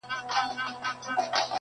زه له ټولو سره خپل د هیچا نه یم-